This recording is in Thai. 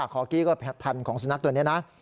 คอกี้ก็พันธุ์ของสุนัขตัวนี้นะ